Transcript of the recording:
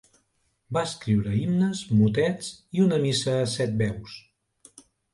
Va escriure himnes, motets i una missa a set veus.